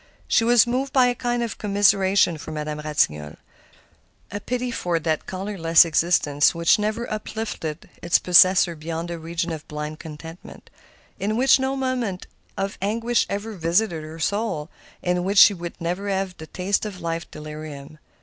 She was moved by a kind of commiseration for Madame Ratignolle,—a pity for that colorless existence which never uplifted its possessor beyond the region of blind contentment, in which no moment of anguish ever visited her soul, in which she would never have the taste of life's delirium.